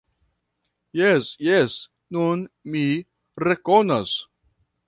Jes, jes, nun mi rekonas.